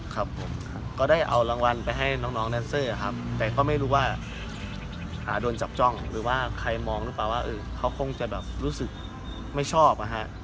ครับผมก็ได้เอารางวัลไปให้น้องแนนเซอร์ครับแต่ก็ไม่รู้ว่าโดนจับจ้องหรือว่าใครมองหรือเปล่าว่าเขาคงจะแบบรู้สึกไม่ชอบ